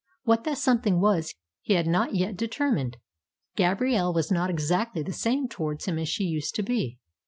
What that something was he had not yet determined. Gabrielle was not exactly the same towards him as she used to be.